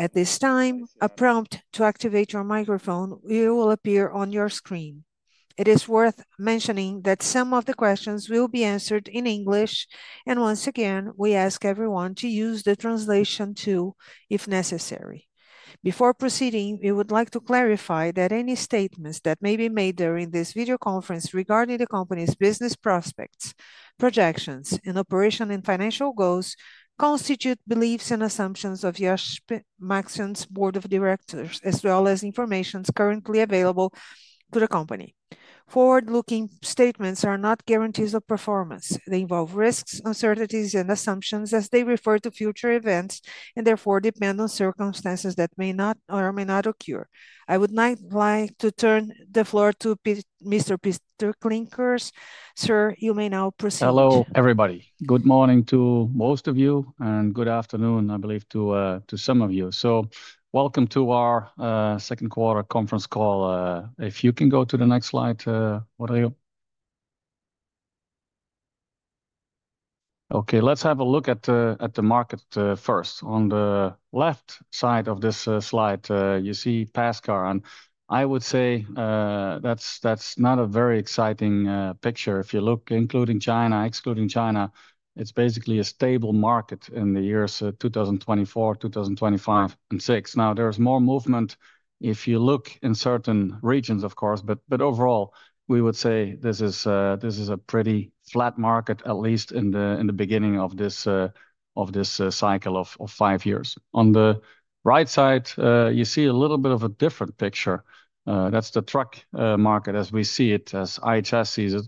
At this time, a prompt to activate your microphone will appear on your screen. It is worth mentioning that some of the questions will be answered in English, and once again, we ask everyone to use the translation tool if necessary. Before proceeding, we would like to clarify that any statements that may be made during this video conference regarding the company's business prospects, projections, and operational and financial goals constitute beliefs and assumptions of Iochpe-Maxion's Board of Directors, as well as information currently available to the company. Forward-looking statements are not guarantees of performance. They involve risks, uncertainties, and assumptions as they refer to future events and therefore depend on circumstances that may or may not occur. I would like to turn the floor to Mr. Pieter Klinkers. Sir, you may now proceed. Hello, everybody. Good morning to most of you and good afternoon, I believe, to some of you. Welcome to our second quarter conference call. If you can go to the next slide, what are you? Okay, let's have a look at the market first. On the left side of this slide, you see pass car. I would say that's not a very exciting picture. If you look, including China, excluding China, it's basically a stable market in the years 2024, 2025, and 2026. Now, there's more movement if you look in certain regions, of course, but overall, we would say this is a pretty flat market, at least in the beginning of this cycle of five years. On the right side, you see a little bit of a different picture. That's the truck market as we see it, as IHS sees it.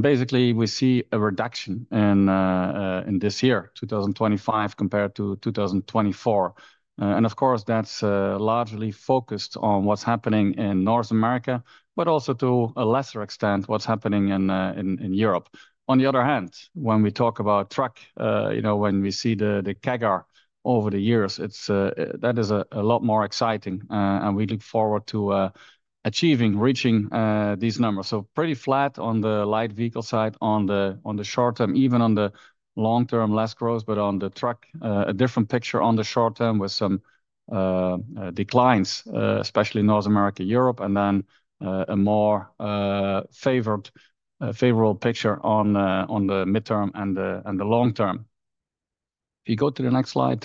Basically, we see a reduction in this year, 2025, compared to 2024. Of course, that's largely focused on what's happening in North America, but also to a lesser extent what's happening in Europe. On the other hand, when we talk about truck, you know, when we see the CAGR over the years, that is a lot more exciting. We look forward to achieving, reaching these numbers. Pretty flat on the light vehicle side. On the short term, even on the long term, less growth, but on the truck, a different picture on the short term with some declines, especially North America, Europe, and then a more favorable picture on the midterm and the long term. If you go to the next slide,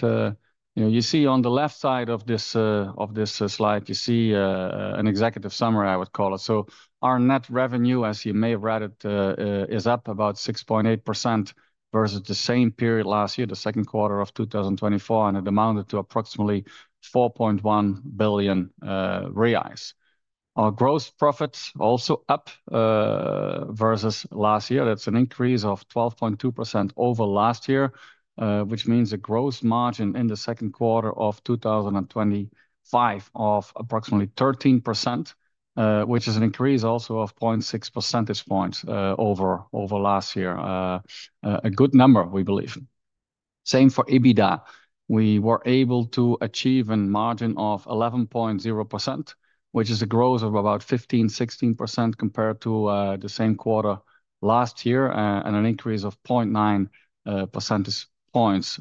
you see on the left side of this slide, you see an executive summary, I would call it. Our net revenue, as you may have read it, is up about 6.8% versus the same period last year, the second quarter of 2024, and it amounted to approximately 4.1 billion reais. Our gross profits are also up versus last year. That's an increase of 12.2% over last year, which means a gross margin in the second quarter of 2025 of approximately 13%, which is an increase also of 0.6 percentage points over last year. A good number, we believe. Same for EBITDA. We were able to achieve a margin of 11.0%, which is a growth of about 15%-16% compared to the same quarter last year, and an increase of 0.9 percentage points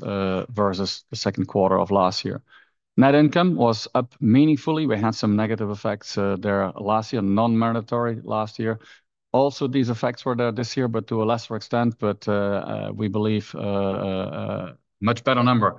versus the second quarter of last year. Net income was up meaningfully. We had some negative effects there last year, non-meritory last year. Also, these effects were there this year, but to a lesser extent, but we believe a much better number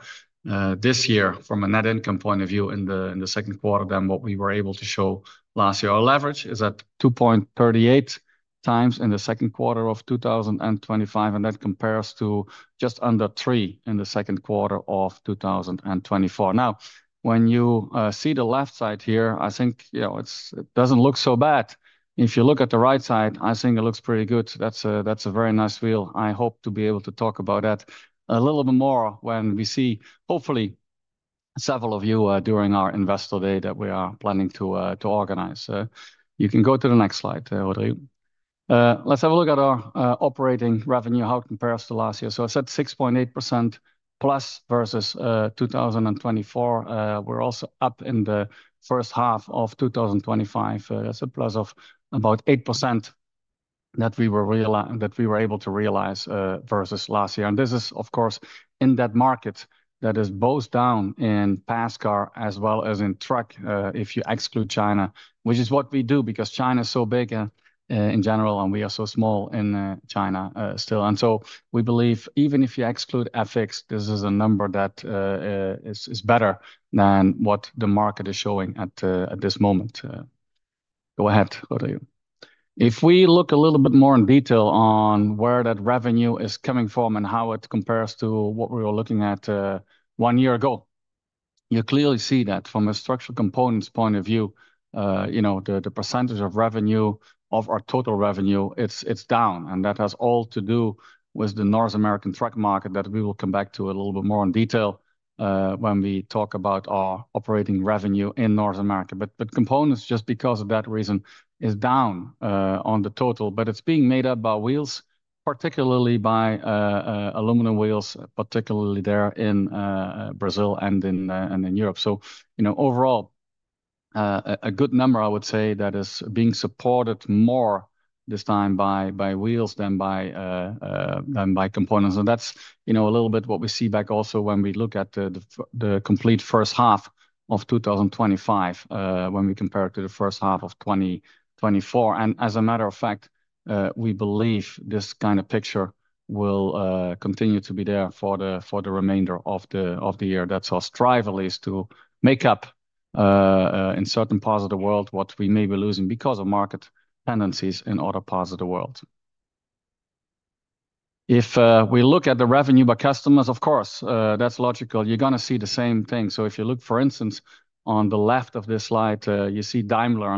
this year from a net income point of view in the second quarter than what we were able to show last year. Our leverage is at 2.38x in the second quarter of 2025, and that compares to just under 3 in the second quarter of 2024. Now, when you see the left side here, I think it doesn't look so bad. If you look at the right side, I think it looks pretty good. That's a very nice wheel. I hope to be able to talk about that a little bit more when we see, hopefully, several of you during our investor day that we are planning to organize. You can go to the next slide, what are you? Let's have a look at our operating revenue, how it compares to last year. I said 6.8%+ versus 2024. We're also up in the first half of 2025. That's a plus of about 8% that we were able to realize versus last year. This is, of course, in that market that is both down in pass car, as well as in truck, if you exclude China, which is what we do because China is so big in general and we are so small in China still. We believe even if you exclude FX, this is a number that is better than what the market is showing at this moment. Go ahead, what are you? If we look a little bit more in detail on where that revenue is coming from and how it compares to what we were looking at one year ago, you clearly see that from a structural components point of view, the percentage of revenue of our total revenue, it's down. That has all to do with the North American truck market that we will come back to a little bit more in detail when we talk about our operating revenue in North America. Components, just because of that reason, are down on the total. It's being made up by wheels, particularly by aluminum wheels, particularly there in Brazil and in Europe. Overall, a good number, I would say, that is being supported more this time by wheels than by components. That's a little bit what we see back also when we look at the complete first half of 2025 when we compare it to the first half of 2024. As a matter of fact, we believe this kind of picture will continue to be there for the remainder of the year. That's our strive, at least, to make up in certain parts of the world what we may be losing because of market tendencies in other parts of the world. If we look at the revenue by customers, of course, that's logical. You're going to see the same thing. If you look, for instance, on the left of this slide, you see Daimler.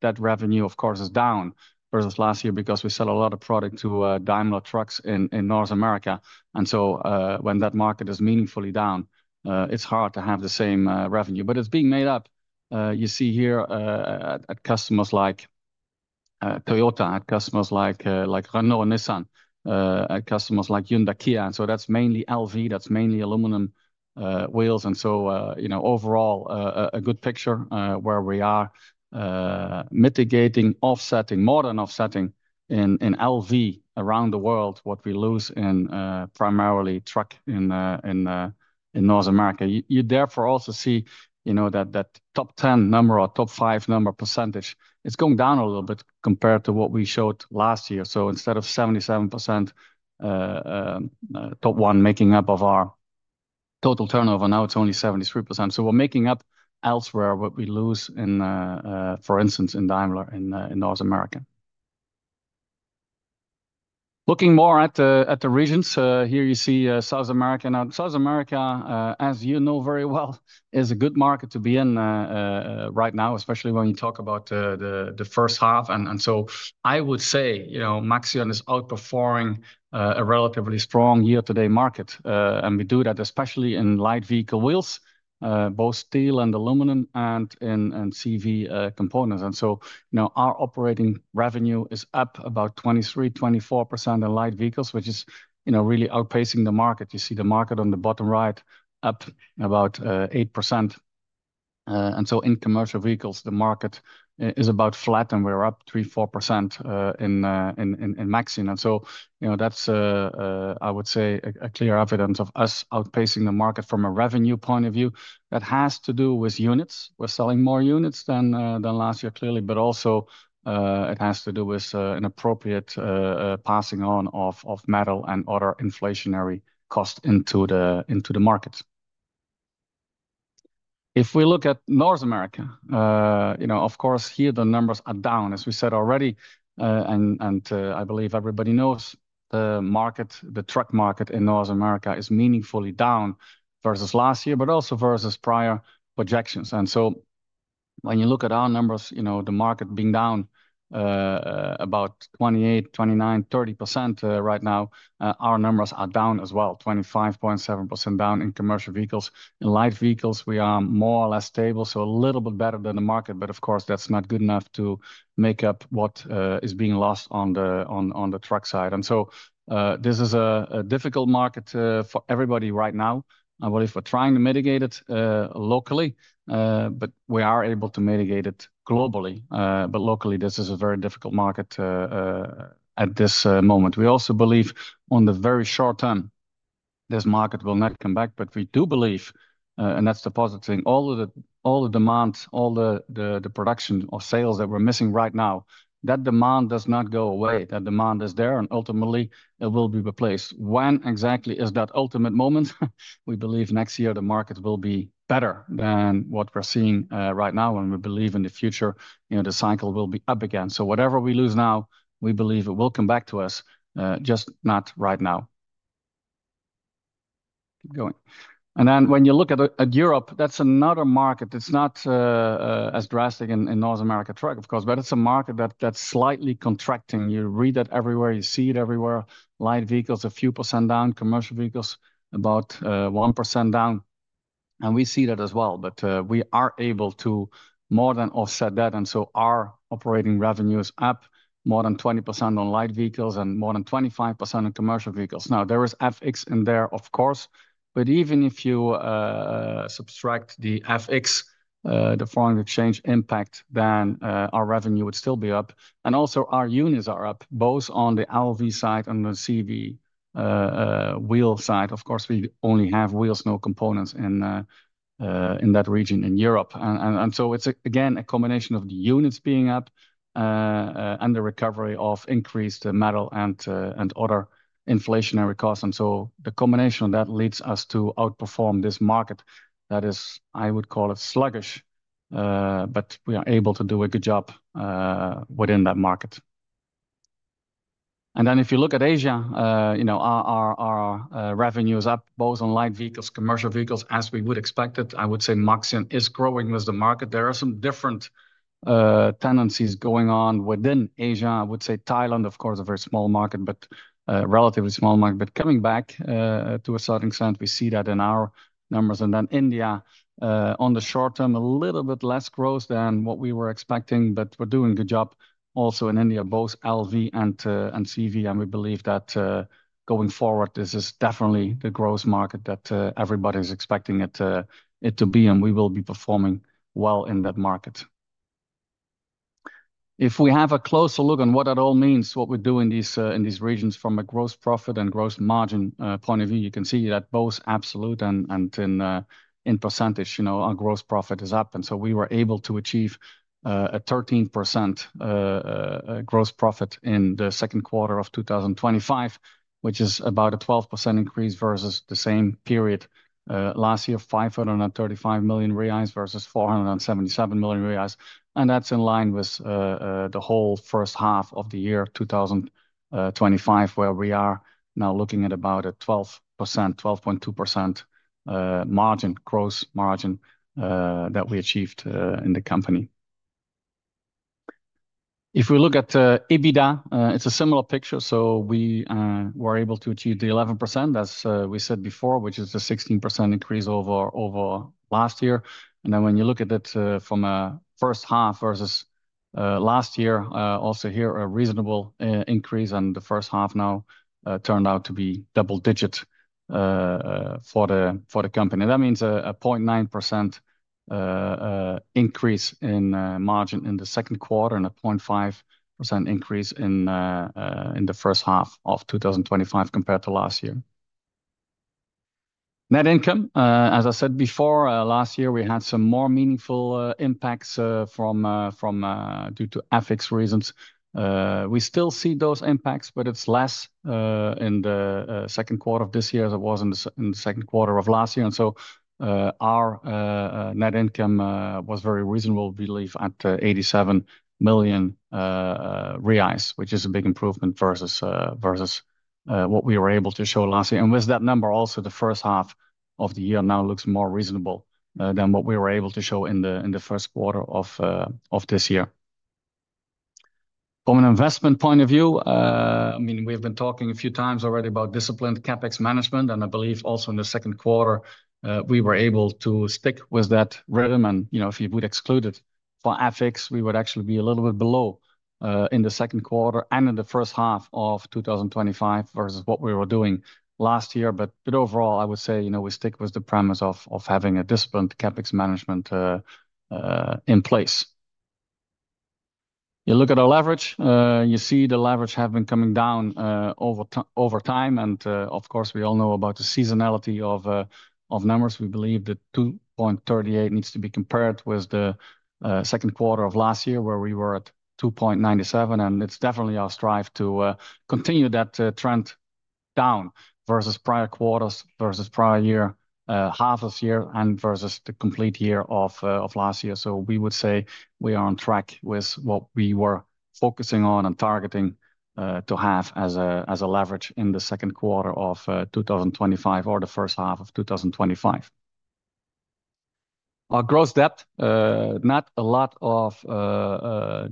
That revenue, of course, is down versus last year because we sell a lot of product to Daimler trucks in North America. When that market is meaningfully down, it's hard to have the same revenue. It's being made up. You see here at customers like Toyota, at customers like Renault, Nissan, at customers like Hyundai, Kia. That's mainly LV, that's mainly aluminum wheels. Overall, a good picture where we are mitigating, offsetting, modern offsetting in LV around the world, what we lose in primarily truck in North America. You therefore also see that top 10 number or top five number percentage, it's going down a little bit compared to what we showed last year. Instead of 77%, top one making up of our total turnover, now it's only 73%. We're making up elsewhere what we lose in, for instance, in Daimler in North America. Looking more at the regions, here you see South America. South America, as you know very well, is a good market to be in right now, especially when you talk about the first half. I would say Maxion is outperforming a relatively strong year-to-date market. We do that especially in light vehicle wheels, both steel and aluminum, and in CV components. Our operating revenue is up about 23%, 24% in light vehicles, which is really outpacing the market. You see the market on the bottom right up about 8%. In commercial vehicles, the market is about flat and we're up 3%, 4% in Maxion. That's, I would say, a clear evidence of us outpacing the market from a revenue point of view. That has to do with units. We're selling more units than last year, clearly. It also has to do with an appropriate passing on of metal and other inflationary costs into the market. If we look at North America, here the numbers are down. As we said already, and I believe everybody knows, the market, the truck market in North America is meaningfully down versus last year, but also versus prior projections. When you look at our numbers, the market being down about 28%, 29%, 30% right now, our numbers are down as well, 25.7% down in commercial vehicles. In light vehicles, we are more or less stable, so a little bit better than the market, but that's not good enough to make up what is being lost on the truck side. This is a difficult market for everybody right now. If we're trying to mitigate it locally, we are able to mitigate it globally, but locally, this is a very difficult market at this moment. We also believe on the very short term, this market will not come back, but we do believe, and that's the positive thing, all the demands, all the production or sales that we're missing right now, that demand does not go away. That demand is there, and ultimately, it will be replaced. When exactly is that ultimate moment? We believe next year the market will be better than what we're seeing right now, and we believe in the future, you know, the cycle will be up again. Whatever we lose now, we believe it will come back to us, just not right now. When you look at Europe, that's another market. It's not as drastic in North America truck, of course, but it's a market that's slightly contracting. You read that everywhere. You see it everywhere. Light vehicles, a few percent down. Commercial vehicles, about 1% down. We see that as well, but we are able to more than offset that. Our operating revenues are up more than 20% on light vehicles and more than 25% on commercial vehicles. There is FX in there, of course, but even if you subtract the FX, the foreign exchange impact, then our revenue would still be up. Also, our units are up, both on the LV side and the CV wheel side. We only have wheels, no components in that region in Europe. It's again a combination of the units being up and the recovery of increased metal and other inflationary costs. The combination of that leads us to outperform this market that is, I would call it sluggish, but we are able to do a good job within that market. If you look at Asia, our revenue is up both on light vehicles, commercial vehicles, as we would expect it. I would say Maxion is growing with the market. There are some different tendencies going on within Asia. I would say Thailand, of course, a very small market, but a relatively small market. Coming back to a certain extent, we see that in our numbers. India, on the short term, a little bit less growth than what we were expecting, but we're doing a good job also in India, both LV and CV. We believe that going forward, this is definitely the growth market that everybody is expecting it to be, and we will be performing well in that market. If we have a closer look on what that all means, what we do in these regions from a gross profit and gross margin point of view, you can see that both absolute and in percentage, you know, our gross profit is up. We were able to achieve a 13% gross profit in the second quarter of 2025, which is about a 12% increase versus the same period last year, 535 million reais versus 477 million reais. That's in line with the whole first half of the year 2025, where we are now looking at about a 12%, 12.2% gross margin that we achieved in the company. If we look at EBITDA, it's a similar picture. We were able to achieve the 11%, as we said before, which is a 16% increase over last year. When you look at it from the first half versus last year, also here a reasonable increase, and the first half now turned out to be double-digit for the company. That means a 0.9% increase in margin in the second quarter and a 0.5% increase in the first half of 2025 compared to last year. Net income, as I said before, last year we had some more meaningful impacts due to FX reasons. We still see those impacts, but it's less in the second quarter of this year as it was in the second quarter of last year. Our net income was very reasonable, we believe, at 87 million reais, which is a big improvement versus what we were able to show last year. With that number, also the first half of the year now looks more reasonable than what we were able to show in the first quarter of this year. From an investment point of view, I mean, we've been talking a few times already about disciplined CapEx management, and I believe also in the second quarter we were able to stick with that rhythm. If you would exclude it for FX, we would actually be a little bit below in the second quarter and in the first half of 2025 versus what we were doing last year. Overall, I would say, you know, we stick with the premise of having a disciplined CapEx management in place. You look at our leverage, you see the leverage has been coming down over time, and of course, we all know about the seasonality of numbers. We believe that 2.38 needs to be compared with the second quarter of last year, where we were at 2.97, and it's definitely our strive to continue that trend down versus prior quarters, versus prior year, half this year, and versus the complete year of last year. We would say we are on track with what we were focusing on and targeting to have as a leverage in the second quarter of 2025 or the first half of 2025. Our gross debt, not a lot of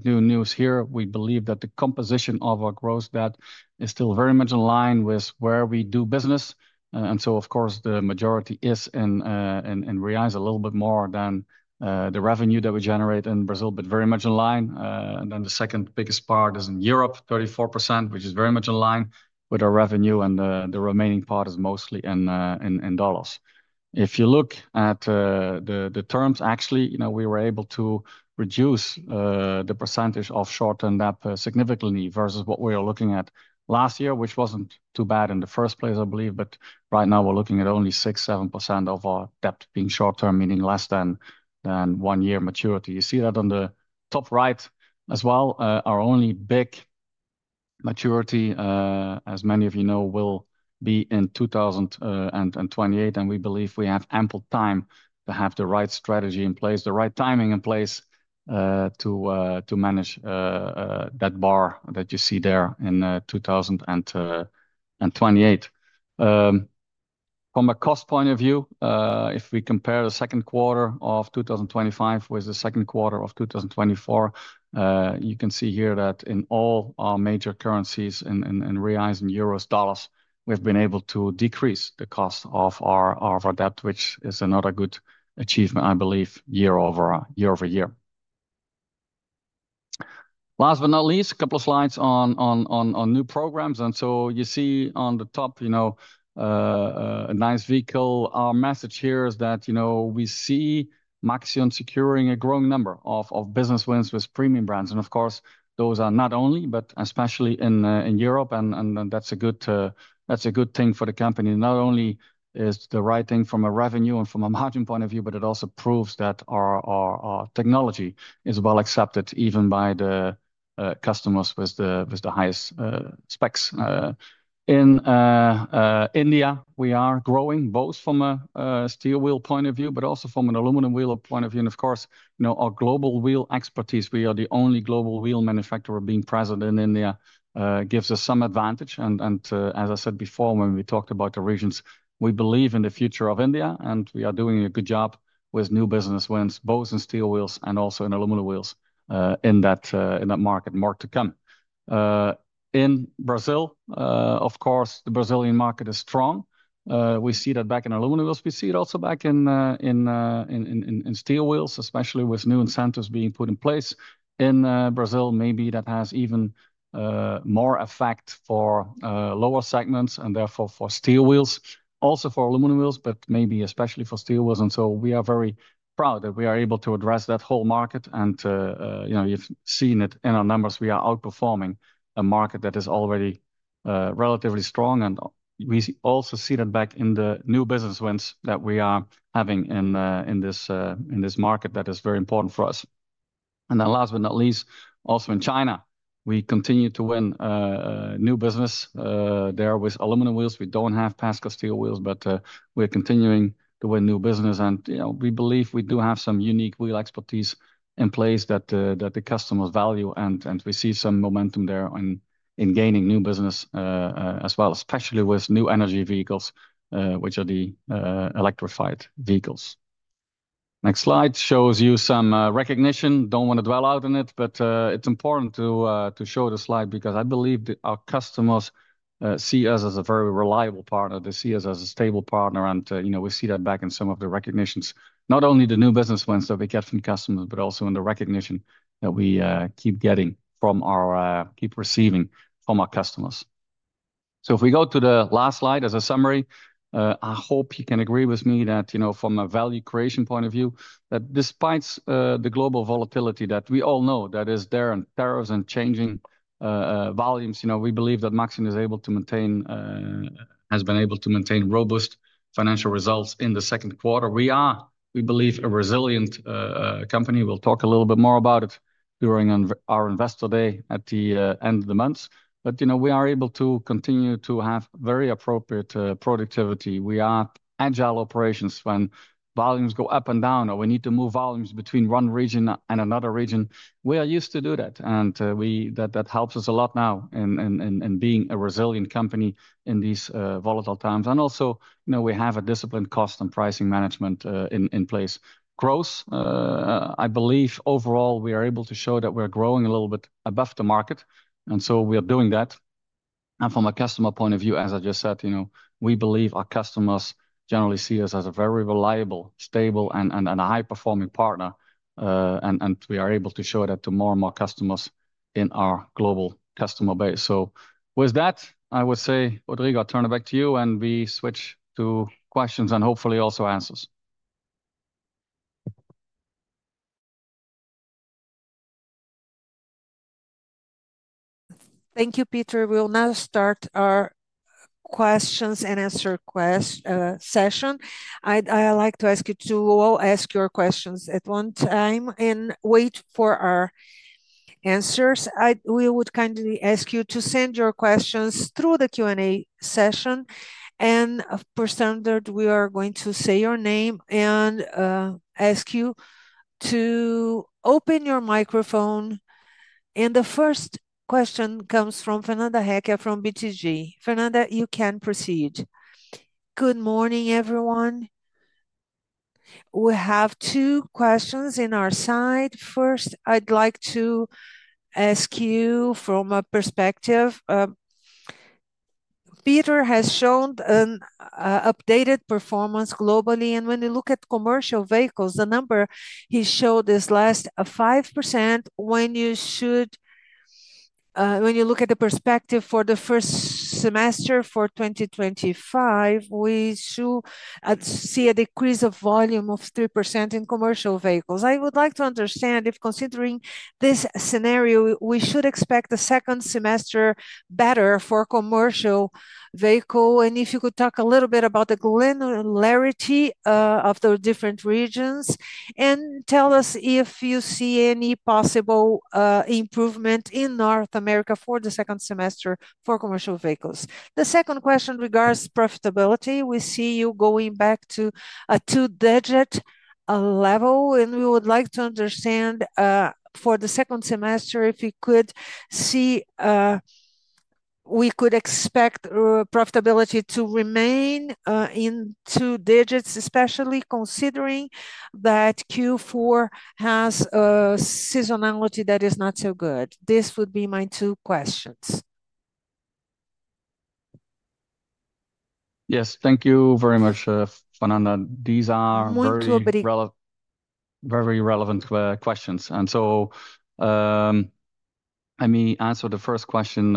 new news here. We believe that the composition of our gross debt is still very much in line with where we do business. Of course, the majority is in BRL, a little bit more than the revenue that we generate in Brazil, but very much in line. The second biggest part is in Europe, 34%, which is very much in line with our revenue, and the remaining part is mostly in dollars. If you look at the terms, actually, we were able to reduce the percentage of short-term debt significantly versus what we were looking at last year, which was not too bad in the first place, I believe. Right now, we're looking at only 6%, 7% of our debt being short-term, meaning less than one year maturity. You see that on the top right as well. Our only big maturity, as many of you know, will be in 2028, and we believe we have ample time to have the right strategy in place, the right timing in place to manage that bar that you see there in 2028. From a cost point of view, if we compare the second quarter of 2025 with the second quarter of 2024, you can see here that in all our major currencies, in reais, in euros, dollars, we've been able to decrease the cost of our debt, which is another good achievement, I believe, year-over-year. Last but not least, a couple of slides on new programs. You see on the top a nice vehicle. Our message here is that we see Maxion securing a growing number of business wins with premium brands. Those are not only, but especially in Europe, and that's a good thing for the company. Not only is it the right thing from a revenue and from a margin point of view, but it also proves that our technology is well accepted even by the customers with the highest specs. In India, we are growing both from a steel wheel point of view, but also from an aluminum wheel point of view. Our global wheel expertise, we are the only global wheel manufacturer being present in India, gives us some advantage. As I said before, when we talked about the regions, we believe in the future of India, and we are doing a good job with new business wins, both in steel wheels and also in aluminum wheels in that market, more to come. In Brazil, the Brazilian market is strong. We see that back in aluminum wheels. We see it also back in steel wheels, especially with new incentives being put in place. In Brazil, maybe that has even more effect for lower segments and therefore for steel wheels, also for aluminum wheels, but maybe especially for steel wheels. We are very proud that we are able to address that whole market. You've seen it in our numbers. We are outperforming a market that is already relatively strong. We also see that back in the new business wins that we are having in this market that is very important for us. Last but not least, also in China, we continue to win new business there with aluminum wheels. We don't have Pasco steel wheels, but we're continuing to win new business. We believe we do have some unique wheel expertise in place that the customers value. We see some momentum there in gaining new business as well, especially with new energy vehicles, which are the electrified vehicles. Next slide shows you some recognition. I don't want to dwell on it, but it's important to show the slide because I believe that our customers see us as a very reliable partner. They see us as a stable partner. We see that back in some of the recognitions, not only the new business wins that we get from customers, but also in the recognition that we keep getting from our, keep receiving from our customers. If we go to the last slide as a summary, I hope you can agree with me that, from a value creation point of view, despite the global volatility that we all know that is there and tariffs and changing volumes, we believe that Maxion has been able to maintain robust financial results in the second quarter. We are, we believe, a resilient company. We'll talk a little bit more about it during our investor day at the end of the month. We are able to continue to have very appropriate productivity. We are agile operations when volumes go up and down or we need to move volumes between one region and another region. We are used to do that. That helps us a lot now in being a resilient company in these volatile times. We have a disciplined cost and pricing management in place. Growth, I believe, overall, we are able to show that we're growing a little bit above the market. We are doing that. From a customer point of view, as I just said, you know, we believe our customers generally see us as a very reliable, stable, and high-performing partner. We are able to show that to more and more customers in our global customer base. With that, I would say, Rodrigo, I'll turn it back to you and we switch to questions and hopefully also answers. Thank you, Pieter. We'll now start our questions-and-answer session. I'd like to ask you to all ask your questions at one time and wait for our answers. We would kindly ask you to send your questions through the Q&A session. Per standard, we are going to say your name and ask you to open your microphone. The first question comes from Fernanda Hecker from BTG. Fernanda, you can proceed. Good morning, everyone. We have two questions on our side. First, I'd like to ask you from a perspective. Pieter has shown an updated performance globally. When you look at commercial vehicles, the number he showed is less than 5%. When you look at the perspective for the first semester for 2025, we should see a decrease of volume of 3% in commercial vehicles. I would like to understand if considering this scenario, we should expect the second semester better for commercial vehicles. If you could talk a little bit about the granularity of the different regions and tell us if you see any possible improvement in North America for the second semester for commercial vehicles. The second question regards profitability. We see you going back to a two-digit level. We would like to understand for the second semester if you could see we could expect profitability to remain in two digits, especially considering that Q4 has a seasonality that is not so good. This would be my two questions. Yes, thank you very much, Fernanda. These are very relevant questions. Let me answer the first question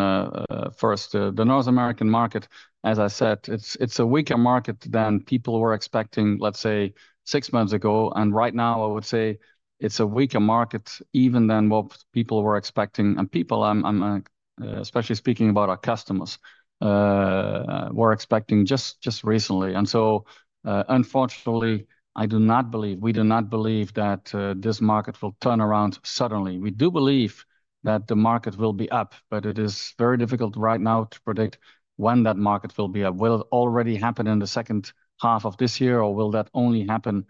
first. The North American market, as I said, it's a weaker market than people were expecting, let's say, six months ago. Right now, I would say it's a weaker market even than what people were expecting. People, I'm especially speaking about our customers, were expecting just recently. Unfortunately, I do not believe, we do not believe that this market will turn around suddenly. We do believe that the market will be up, but it is very difficult right now to predict when that market will be up. Will it already happen in the second half of this year or will that only happen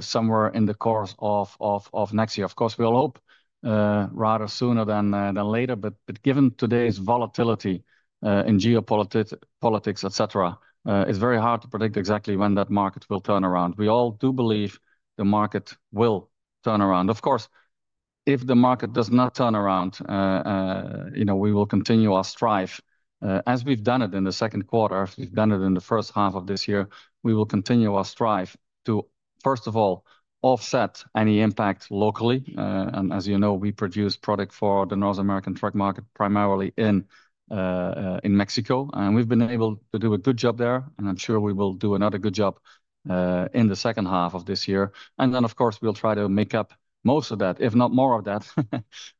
somewhere in the course of next year? Of course, we all hope rather sooner than later. Given today's volatility in geopolitics, etc., it's very hard to predict exactly when that market will turn around. We all do believe the market will turn around. Of course, if the market does not turn around, you know, we will continue our strive. As we've done it in the second quarter, as we've done it in the first half of this year, we will continue our strive to, first of all, offset any impact locally. As you know, we produce product for the North American truck market primarily in Mexico. We've been able to do a good job there. I'm sure we will do another good job in the second half of this year. Of course, we'll try to make up most of that, if not more of that,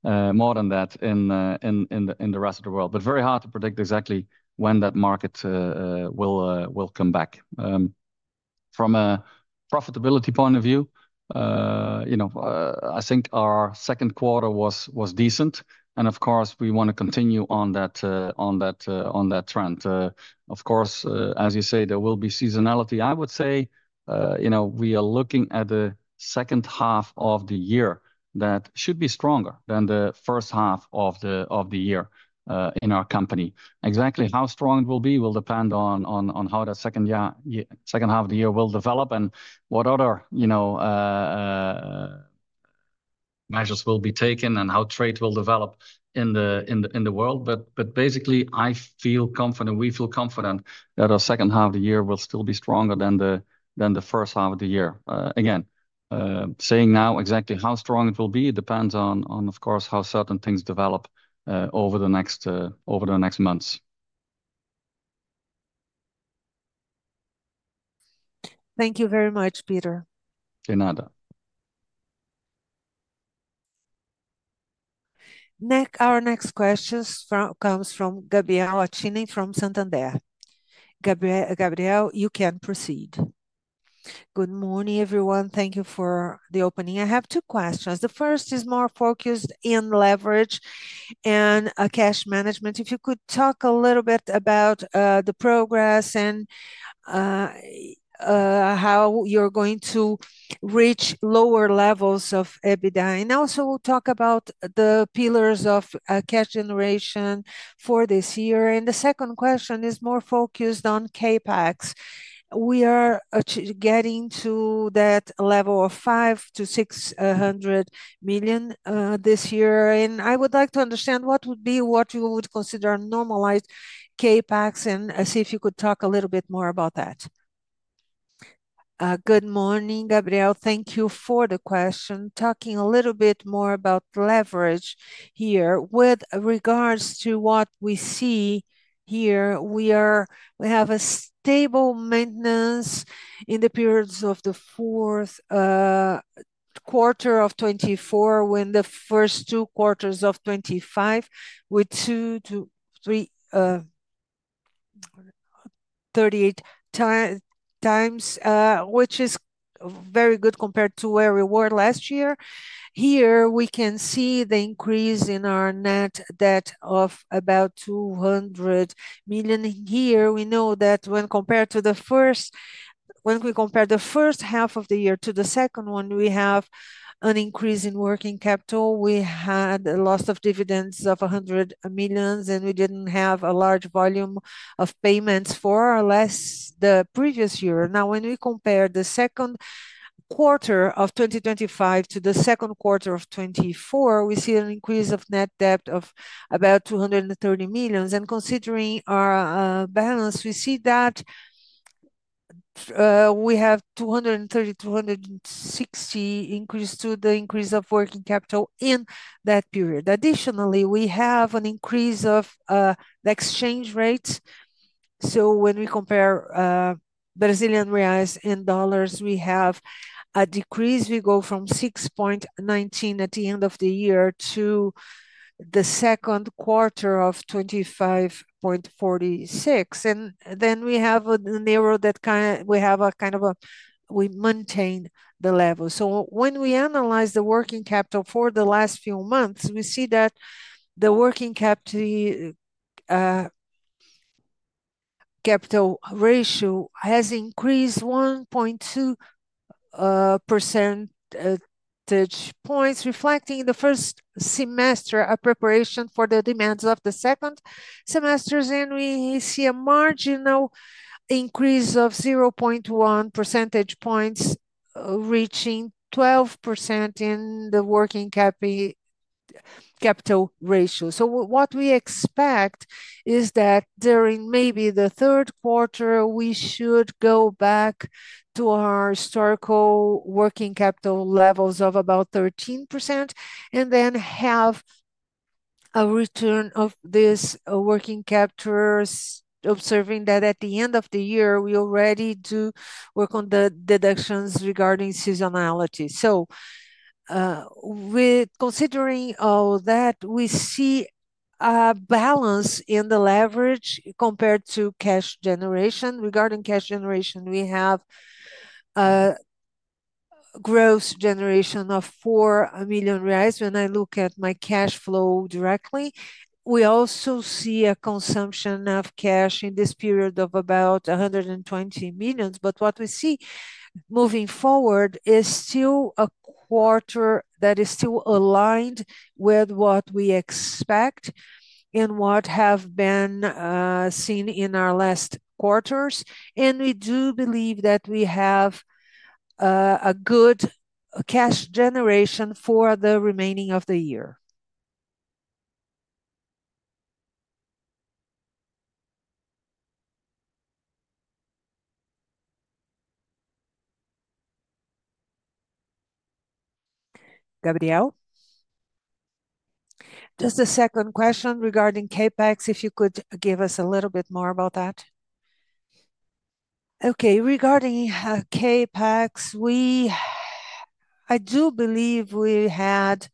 more than that in the rest of the world. It is very hard to predict exactly when that market will come back. From a profitability point of view, I think our second quarter was decent. Of course, we want to continue on that trend. As you say, there will be seasonality. I would say we are looking at the second half of the year that should be stronger than the first half of the year in our company. Exactly how strong it will be will depend on how the second half of the year will develop and what other measures will be taken and how trade will develop in the world. Basically, I feel confident, we feel confident that our second half of the year will still be stronger than the first half of the year. Again, saying now exactly how strong it will be, it depends on, of course, how certain things develop over the next months. Thank you very much, Pieter. Fernanda. Our next question comes from Gabriel Laccini from Santander. Gabriel, you can proceed. Good morning, everyone. Thank you for the opening. I have two questions. The first is more focused on leverage and cash management. If you could talk a little bit about the progress and how you're going to reach lower levels of EBITDA. Also, we'll talk about the pillars of cash generation for this year. The second question is more focused on CapEx. We are getting to that level of 500 million-600 million this year, and I would like to understand what you would consider normalized CapEx and see if you could talk a little bit more about that. Good morning, Gabriel. Thank you for the question. Talking a little bit more about leverage here, with regards to what we see here, we have a stable maintenance in the periods of the fourth quarter of 2024 when the first two quarters of 2025 were 2.38 times, which is very good compared to where we were last year. Here, we can see the increase in our net debt of about 200 million. When we compare the first half of the year to the second one, we have an increase in working capital. We had a loss of dividends of 100 million, and we didn't have a large volume of payments for our previous year. Now, when we compare the second quarter of 2025 to the second quarter of 2024, we see an increase of net debt of about 230 million. Considering our balance, we see that we have 230 million, 260 million increased due to the increase of working capital in that period. Additionally, we have an increase of the exchange rates. When we compare Brazilian reais and dollars, we have a decrease. We go from 6.19 at the end of the year to the second quarter of 25.46. Then we have an error that we have a kind of a, we maintain the level. When we analyze the working capital for the last few months, we see that the working capital ratio has increased 1.2% points, reflecting the first semester of preparation for the demands of the second semester. We see a marginal increase of 0.1% points, reaching 12% in the working capital ratio. What we expect is that during maybe the third quarter, we should go back to our historical working capital levels of about 13% and then have a return of this working capital, observing that at the end of the year, we already do work on the deductions regarding seasonality. Considering all that, we see a balance in the leverage compared to cash generation. Regarding cash generation, we have a gross generation of 4 million reais. When I look at my cash flow directly, we also see a consumption of cash in this period of about 120 million. What we see moving forward is still a quarter that is still aligned with what we expect and what has been seen in our last quarters. We do believe that we have a good cash generation for the remaining of the year. Gabriel? Just a second question regarding CapEx, if you could give us a little bit more about that. Okay. Regarding CapEx, I do believe we had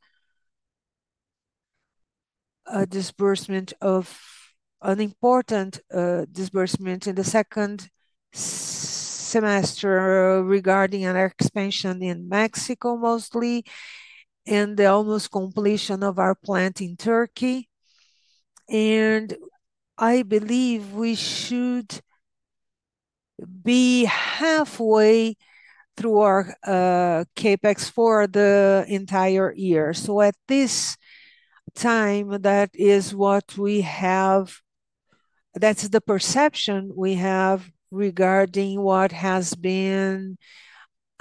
a disbursement of an important disbursement in the second semester regarding an expansion in Mexico, mostly, and the almost completion of our plant in Turkey. I believe we should be halfway through our CapEx for the entire year. At this time, that is what we have. That's the perception we have regarding what has been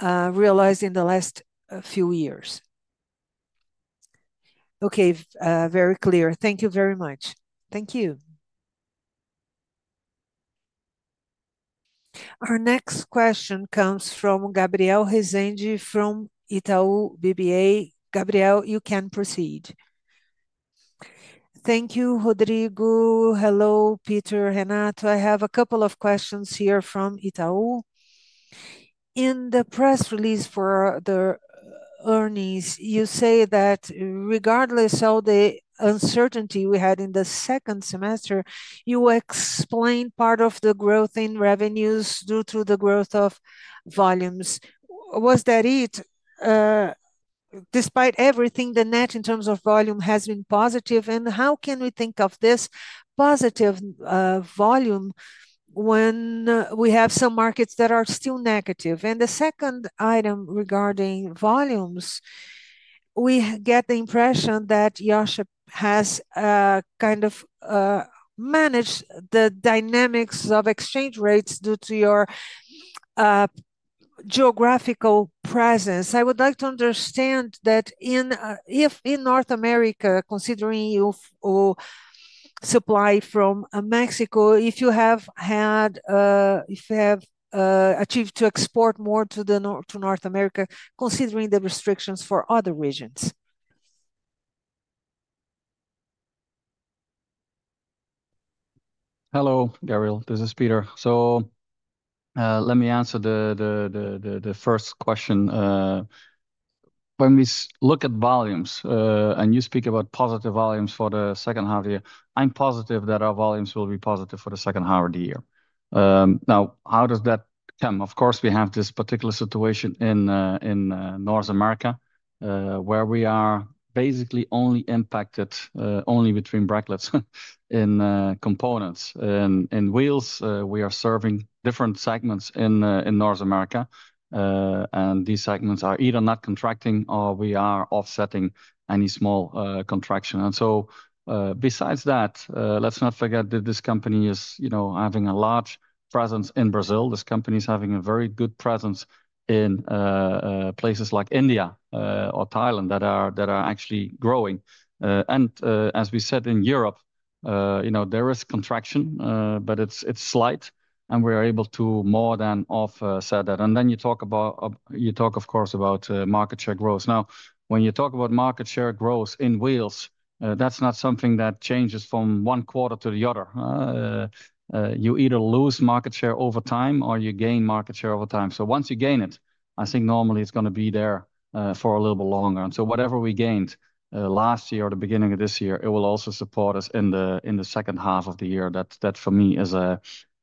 realized in the last few years. Okay. Very clear. Thank you very much. Thank you. Our next question comes from Gabriel Rezende from Itaú BBA. Gabriel, you can proceed. Thank you, Rodrigo. Hello, Pieter, Renato. I have a couple of questions here from Itaú. In the press release for the earnings, you say that regardless of the uncertainty we had in the second semester, you explain part of the growth in revenues due to the growth of volumes. Was that it? Despite everything, the net in terms of volume has been positive. How can we think of this positive volume when we have some markets that are still negative? The second item regarding volumes, we get the impression that Iochpe-Maxion has kind of managed the dynamics of exchange rates due to your geographical presence. I would like to understand that if in North America, considering your supply from Mexico, if you have had, if you have achieved to export more to North America, considering the restrictions for other regions. Hello, Gabriel. This is Pieter. Let me answer the first question. When we look at volumes and you speak about positive volumes for the second half of the year, I'm positive that our volumes will be positive for the second half of the year. Now, how does that come? Of course, we have this particular situation in North America where we are basically only impacted, only between brackets, in components. In wheels, we are serving different segments in North America. These segments are either not contracting or we are offsetting any small contraction. Besides that, let's not forget that this company is having a large presence in Brazil. This company is having a very good presence in places like India or Thailand that are actually growing. As we said in Europe, there is contraction, but it's slight. We are able to more than offset that. You talk about, of course, market share growth. When you talk about market share growth in wheels, that's not something that changes from one quarter to the other. You either lose market share over time or you gain market share over time. Once you gain it, I think normally it's going to be there for a little bit longer. Whatever we gained last year or the beginning of this year, it will also support us in the second half of the year. That, for me, is a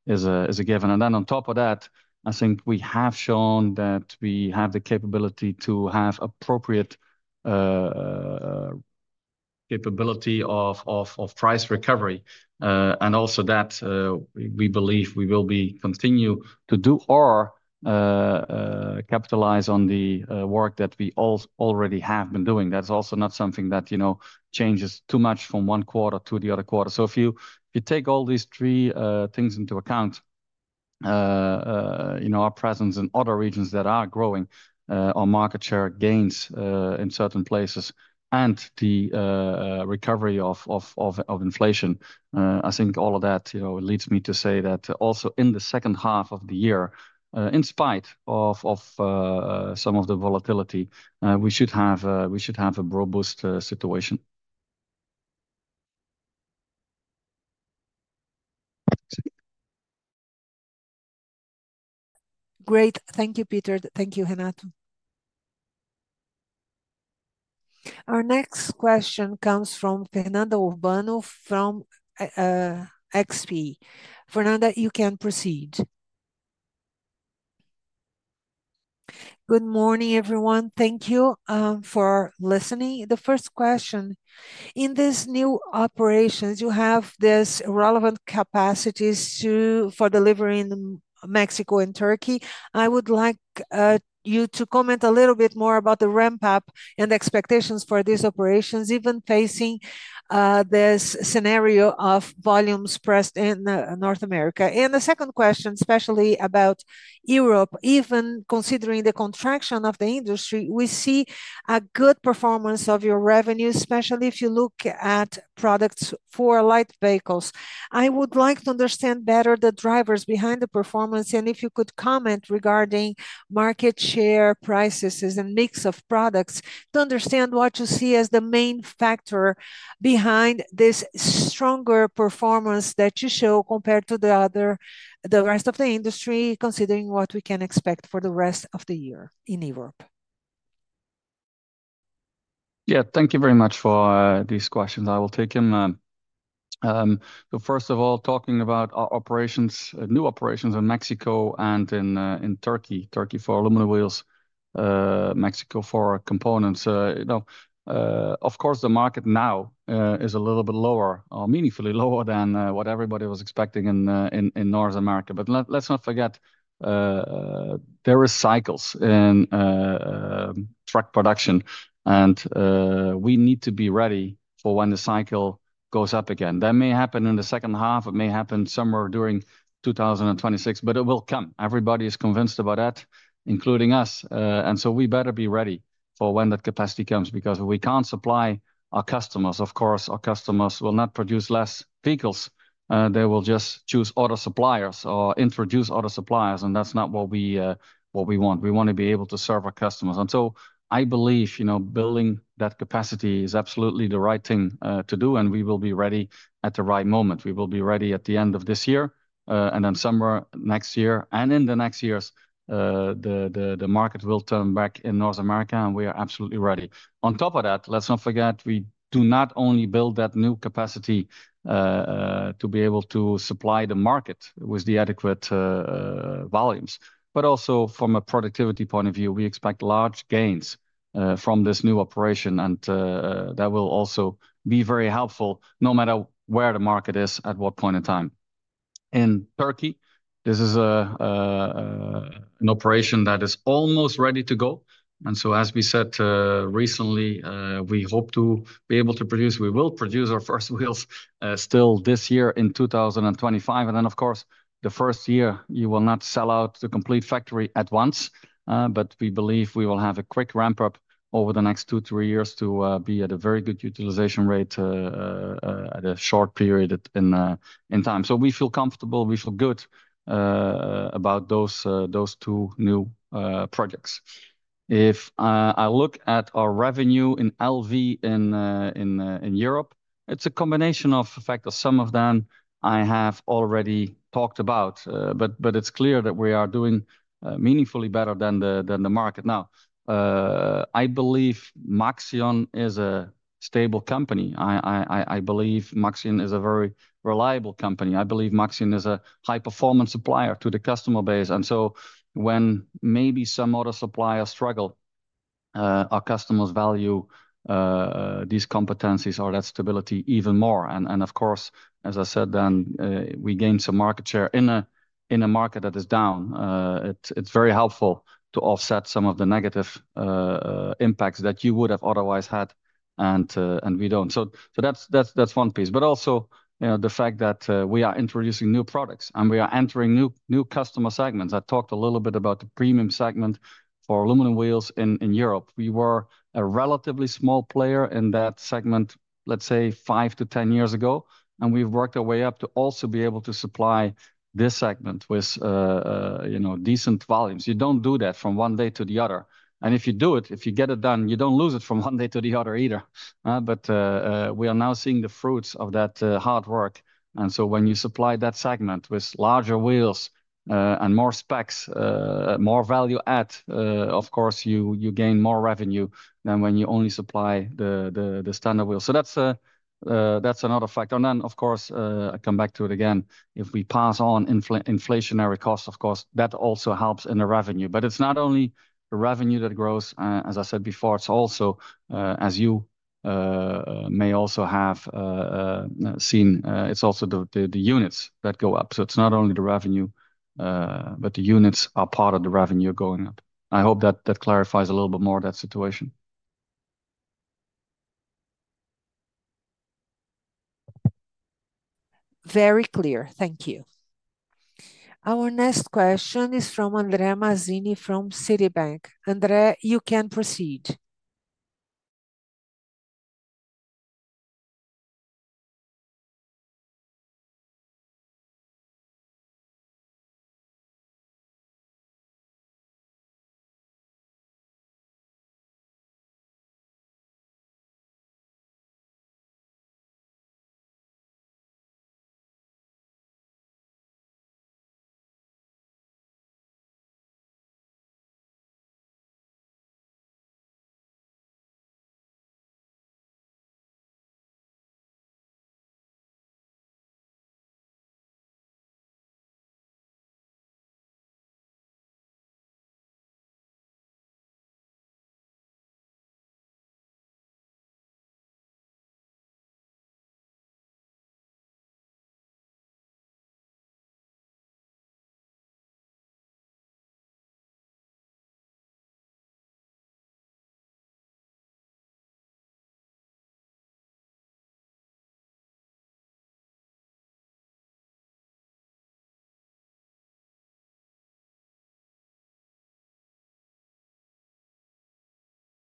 given. On top of that, I think we have shown that we have the capability to have appropriate capability of price recovery. We believe we will continue to do or capitalize on the work that we already have been doing. That's also not something that changes too much from one quarter to the other quarter. If you take all these three things into account, our presence in other regions that are growing, our market share gains in certain places, and the recovery of inflation, I think all of that leads me to say that also in the second half of the year, in spite of some of the volatility, we should have a robust situation. Great. Thank you, Pieter. Thank you, Renato. Our next question comes from Fernanda Urbano from XP. Fernanda, you can proceed. Good morning, everyone. Thank you for listening. The first question, in these new operations, you have these relevant capacities for delivery in Mexico and Turkey. I would like you to comment a little bit more about the ramp-up and the expectations for these operations, even facing this scenario of volumes pressed in North America. The second question, especially about Europe, even considering the contraction of the industry, we see a good performance of your revenues, especially if you look at products for light vehicles. I would like to understand better the drivers behind the performance, and if you could comment regarding market share, prices, and mix of products to understand what you see as the main factor behind this stronger performance that you show compared to the rest of the industry, considering what we can expect for the rest of the year in Europe. Yeah, thank you very much for these questions. I will take them. First of all, talking about our operations, new operations in Mexico and in Turkey, Turkey for aluminum wheels, Mexico for components. Of course, the market now is a little bit lower, or meaningfully lower than what everybody was expecting in North America. Let's not forget, there are cycles in truck production, and we need to be ready for when the cycle goes up again. That may happen in the second half. It may happen somewhere during 2026, but it will come. Everybody is convinced about that, including us. We better be ready for when that capacity comes because we can't supply our customers. Of course, our customers will not produce less vehicles. They will just choose other suppliers or introduce other suppliers, and that's not what we want. We want to be able to serve our customers. I believe building that capacity is absolutely the right thing to do, and we will be ready at the right moment. We will be ready at the end of this year and then somewhere next year, and in the next years, the market will turn back in North America, and we are absolutely ready. On top of that, let's not forget, we do not only build that new capacity to be able to supply the market with the adequate volumes, but also from a productivity point of view, we expect large gains from this new operation, and that will also be very helpful no matter where the market is at what point in time. In Turkey, this is an operation that is almost ready to go. As we said recently, we hope to be able to produce, we will produce our first wheels still this year in 2025. The first year, you will not sell out the complete factory at once, but we believe we will have a quick ramp-up over the next two to three years to be at a very good utilization rate at a short period in time. We feel comfortable. We feel good about those two new projects. If I look at our revenue in LV in Europe, it's a combination of factors. Some of them I have already talked about, but it's clear that we are doing meaningfully better than the market. I believe Maxion is a stable company. I believe Maxion is a very reliable company. I believe Maxion is a high-performance supplier to the customer base. When maybe some other suppliers struggle, our customers value these competencies or that stability even more. Of course, as I said, we gain some market share in a market that is down. It's very helpful to offset some of the negative impacts that you would have otherwise had, and we don't. That's one piece. Also, the fact that we are introducing new products and we are entering new customer segments. I talked a little bit about the premium segment for aluminum wheels in Europe. We were a relatively small player in that segment, let's say, five to ten years ago, and we've worked our way up to also be able to supply this segment with decent volumes. You don't do that from one day to the other. If you get it done, you don't lose it from one day to the other either. We are now seeing the fruits of that hard work. When you supply that segment with larger wheels and more specs, more value add, you gain more revenue than when you only supply the standard wheels. That's another factor. I come back to it again. If we pass on inflationary costs, that also helps in the revenue. It's not only the revenue that grows, as I said before, as you may also have seen, it's also the units that go up. It's not only the revenue, but the units are part of the revenue going up. I hope that clarifies a little bit more of that situation. Very clear. Thank you. Our next question is from André Mazini from Citibank. Andrea, you can proceed.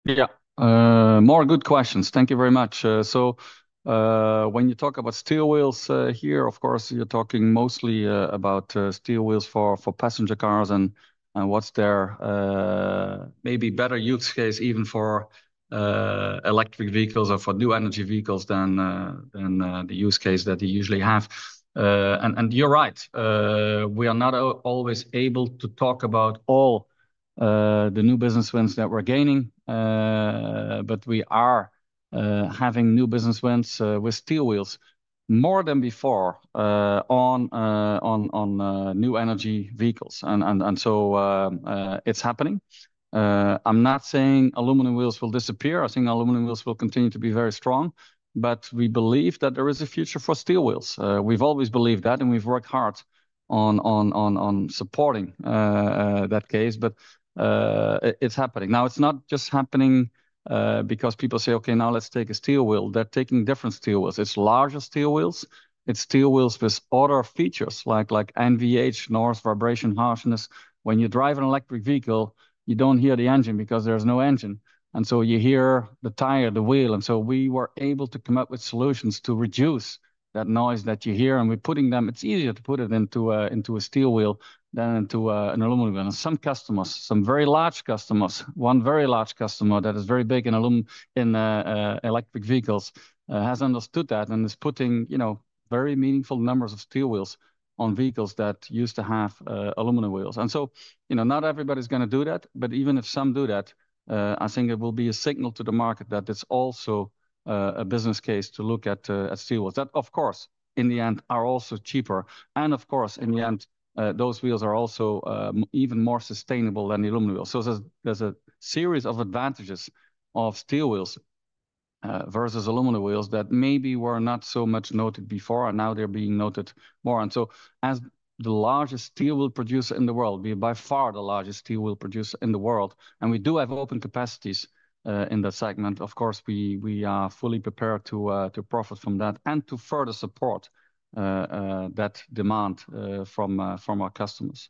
Yeah, yeah. More good questions. Thank you very much. When you talk about steel wheels here, of course, you're talking mostly about steel wheels for passenger cars and what's their maybe better use case even for electric vehicles or for new energy vehicles than the use case that you usually have. You're right. We are not always able to talk about all the new business wins that we're gaining, but we are having new business wins with steel wheels more than before on new energy vehicles. It's happening. I'm not saying aluminum wheels will disappear. I think aluminum wheels will continue to be very strong, but we believe that there is a future for steel wheels. We've always believed that, and we've worked hard on supporting that case, but it's happening. It's not just happening because people say, "Okay, now let's take a steel wheel." They're taking different steel wheels. It's larger steel wheels. It's steel wheels with other features like NVH, noise, vibration, harshness. When you drive an electric vehicle, you don't hear the engine because there's no engine, so you hear the tire, the wheel. We were able to come up with solutions to reduce that noise that you hear, and we're putting them. It's easier to put it into a steel wheel than into an aluminum wheel. Some customers, some very large customers, one very large customer that is very big in electric vehicles, has understood that and is putting very meaningful numbers of steel wheels on vehicles that used to have aluminum wheels. Not everybody's going to do that, but even if some do that, I think it will be a signal to the market that it's also a business case to look at steel wheels that, of course, in the end, are also cheaper. In the end, those wheels are also even more sustainable than the aluminum wheels. There's a series of advantages of steel wheels versus aluminum wheels that maybe were not so much noted before, and now they're being noted more. As the largest steel wheel producer in the world, we are by far the largest steel wheel producer in the world, and we do have open capacities in the segment. Of course, we are fully prepared to profit from that and to further support that demand from our customers.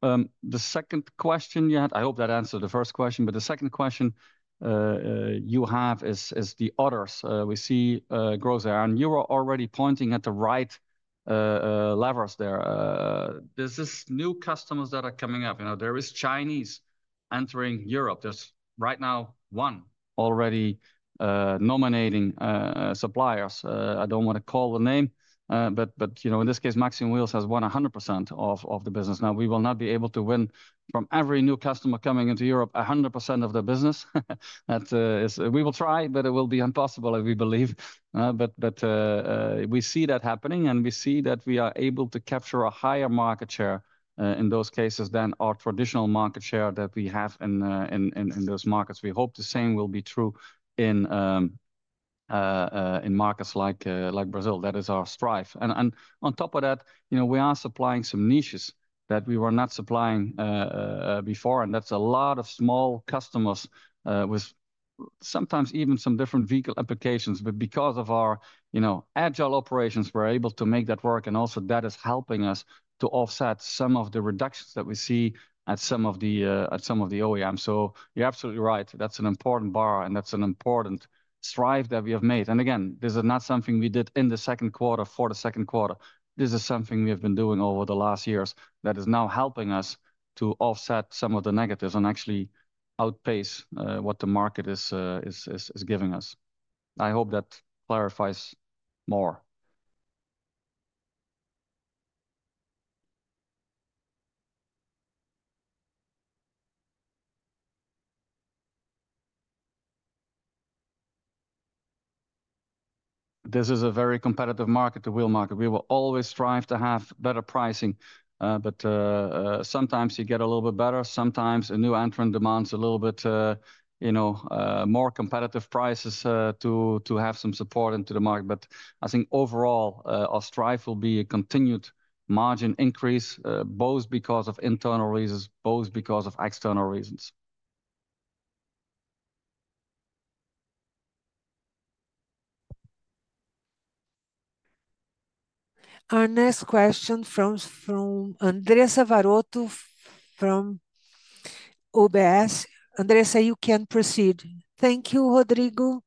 The second question yet, I hope that answered the first question, but the second question you have is the others. We see growth there, and you were already pointing at the right levers there. There are these new customers that are coming up. You know, there is Chinese entering Europe. There is right now one already nominating suppliers. I do not want to call the name, but you know, in this case, Maxion Wheels has won 100% of the business. We will not be able to win from every new customer coming into Europe 100% of the business. We will try, but it will be impossible, we believe. We see that happening, and we see that we are able to capture a higher market share in those cases than our traditional market share that we have in those markets. We hope the same will be true in markets like Brazil. That is our strive. On top of that, we are supplying some niches that we were not supplying before, and that is a lot of small customers with sometimes even some different vehicle applications. Because of our agile operations, we are able to make that work, and also that is helping us to offset some of the reductions that we see at some of the OEM. You are absolutely right. That is an important bar, and that is an important strive that we have made. This is not something we did in the second quarter for the second quarter. This is something we have been doing over the last years that is now helping us to offset some of the negatives and actually outpace what the market is giving us. I hope that clarifies more. This is a very competitive market, the wheel market. We will always strive to have better pricing, but sometimes you get a little bit better. Sometimes a new entrant demands a little bit more competitive prices to have some support into the market. I think overall our strive will be a continued margin increase, both because of internal reasons, both because of external reasons. Our next question comes from Andrés Zavarotti from UBS. Andrés, you can proceed. Thank you, Rodrigo.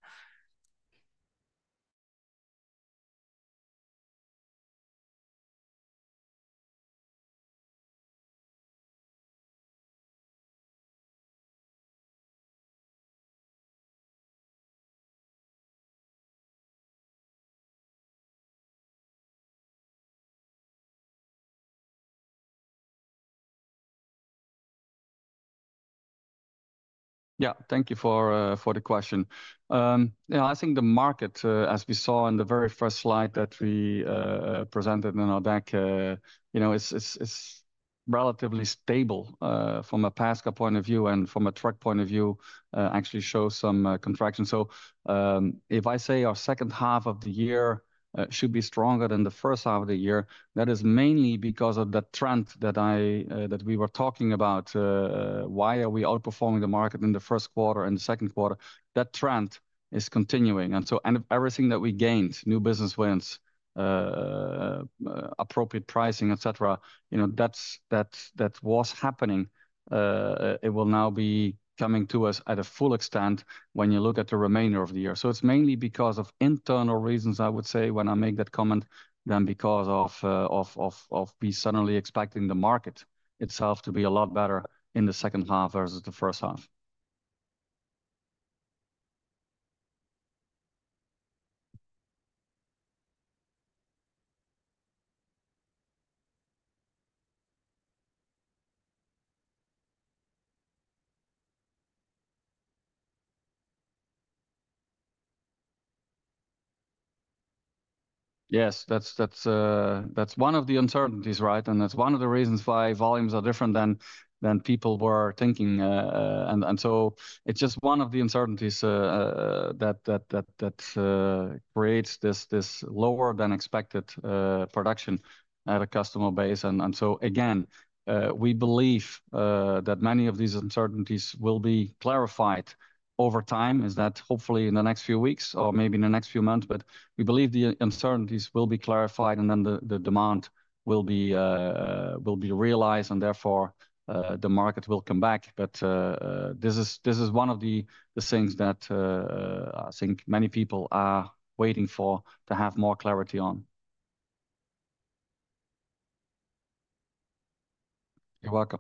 Yeah, thank you for the question. I think the market, as we saw in the very first slide that we presented in our deck, is relatively stable from a passenger car point of view and from a truck point of view, actually shows some contraction. If I say our second half of the year should be stronger than the first half of the year, that is mainly because of that trend that we were talking about. Why are we outperforming the market in the first quarter and the second quarter? That trend is continuing. Everything that we gained, new business wins, appropriate pricing, etc., that was happening. It will now be coming to us at a full extent when you look at the remainder of the year. It's mainly because of internal reasons, I would say, when I make that comment, than because of me suddenly expecting the market itself to be a lot better in the second half versus the first half. Yes, that's one of the uncertainties, right? That's one of the reasons why volumes are different than people were thinking. It's just one of the uncertainties that creates this lower than expected production at a customer base. We believe that many of these uncertainties will be clarified over time. Is that hopefully in the next few weeks or maybe in the next few months? We believe the uncertainties will be clarified and then the demand will be realized and therefore the market will come back. This is one of the things that I think many people are waiting for to have more clarity on. You're welcome.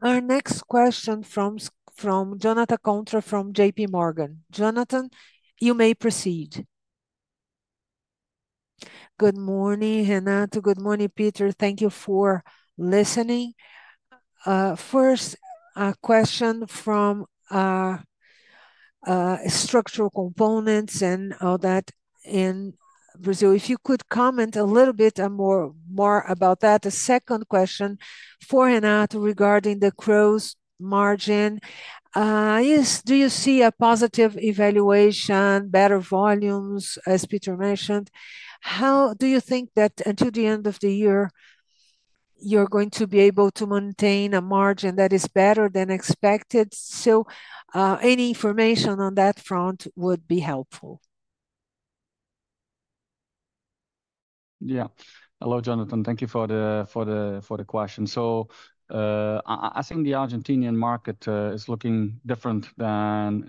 Our next question comes from Jonathan Colton from JPMorgan. Jonathan, you may proceed. Good morning, Renato. Good morning, Pieter. Thank you for listening. First, a question from structural components and all that in Brazil. If you could comment a little bit more about that. The second question for Renato regarding the gross margin. Yes, do you see a positive evaluation, better volumes, as Pieter mentioned? How do you think that until the end of the year, you're going to be able to maintain a margin that is better than expected? Any information on that front would be helpful. Yeah. Hello, Jonathan. Thank you for the question. I think the Argentinian market is looking different than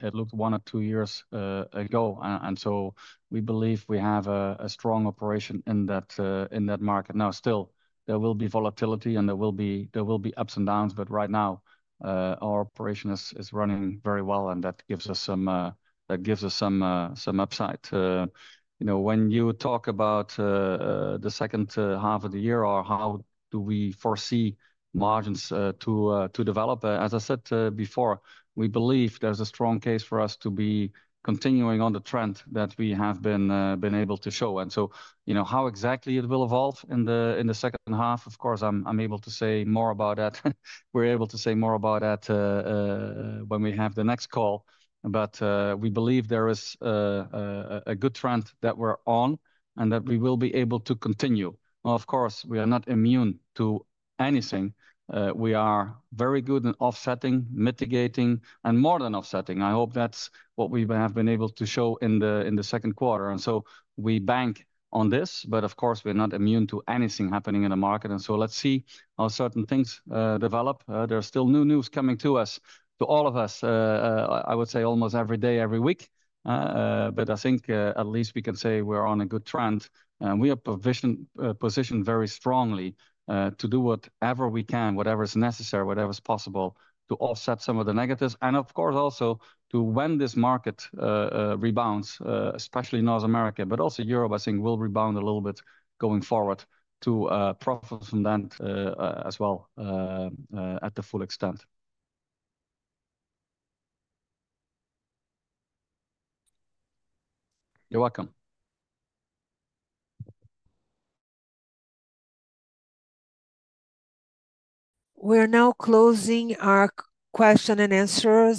it looked one or two years ago. We believe we have a strong operation in that market. There will be volatility and there will be ups and downs, but right now, our operation is running very well and that gives us some upside. When you talk about the second half of the year or how we foresee margins to develop, as I said before, we believe there's a strong case for us to be continuing on the trend that we have been able to show. How exactly it will evolve in the second half, of course, I'm able to say more about that. We're able to say more about that when we have the next call. We believe there is a good trend that we're on and that we will be able to continue. We are not immune to anything. We are very good at offsetting, mitigating, and more than offsetting. I hope that's what we have been able to show in the second quarter. We bank on this, but we're not immune to anything happening in the market. Let's see how certain things develop. There's still new news coming to us, to all of us, I would say almost every day, every week. I think at least we can say we're on a good trend and we are positioned very strongly to do whatever we can, whatever is necessary, whatever is possible to offset some of the negatives. When this market rebounds, especially in North America, but also Europe, I think we'll rebound a little bit going forward to profit from that as well at the full extent. You're welcome. We're now closing our question and answer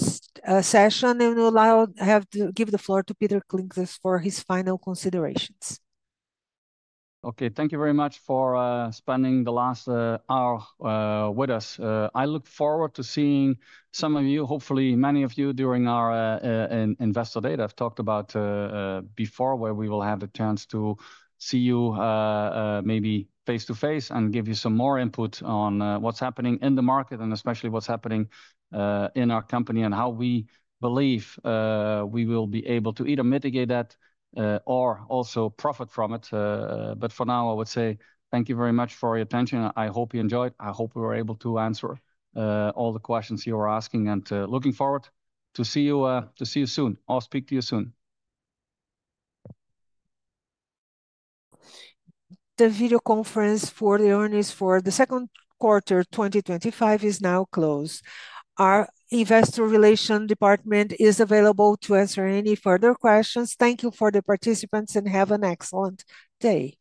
session. We'll now have to give the floor to Pieter Klinkers for his final considerations. Okay. Thank you very much for spending the last hour with us. I look forward to seeing some of you, hopefully many of you, during our investor day that I've talked about before, where we will have the chance to see you maybe face to face and give you some more input on what's happening in the market and especially what's happening in our company and how we believe we will be able to either mitigate that or also profit from it. For now, I would say thank you very much for your attention. I hope you enjoyed it. I hope we were able to answer all the questions you were asking and looking forward to see you soon. I'll speak to you soon. The video conference for the earnings for the second quarter 2025 is now closed. Our Investor Relations department is available to answer any further questions. Thank you for the participants and have an excellent day.